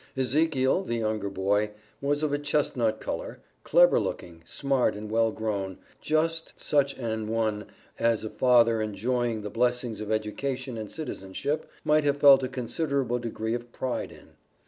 Ezekiel, the younger boy, was of a chestnut color, clever looking, smart, and well grown, just such an one as a father enjoying the blessings of education and citizenship, might have felt a considerable degree of pride in.